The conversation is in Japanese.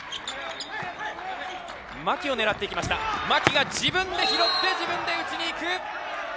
牧を狙ってきました牧が自分で拾って自分で打ちにいく。